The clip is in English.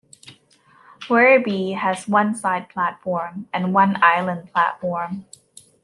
Werribee has one side platform and one island platform.